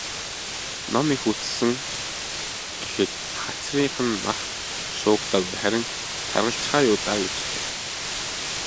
"Ном их үзсэн гэхэд хацрын нь мах шуугдаагүй, харин таргалчихаа юу даа" гэж хэлэв.